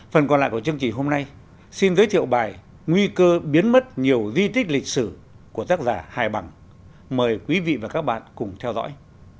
phần còn lại của chương trình hôm nay xin giới thiệu bài nguy cơ biến mất nhiều di tích lịch sử của tác giả hải bằng mời quý vị và các bạn cùng theo dõi